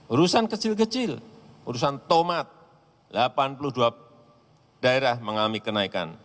urusan kecil kecil urusan tomat delapan puluh dua daerah mengalami kenaikan